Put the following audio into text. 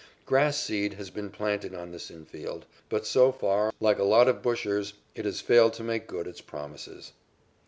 Grass seed has been planted on this infield, but so far, like a lot of bushers, it has failed to make good its promises.